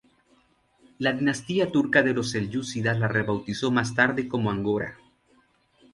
La dinastía turca de los selyúcidas la rebautizó más tarde como Angora.